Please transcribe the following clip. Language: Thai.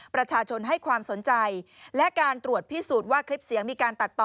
ประชาชนให้ความสนใจและการตรวจพิสูจน์ว่าคลิปเสียงมีการตัดต่อ